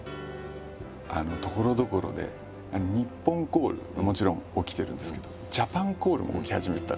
ところどころで日本コールもちろん起きてるんですけどジャパンコールも起き始めてた。